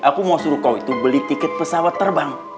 aku mau suruh kau itu beli tiket pesawat terbang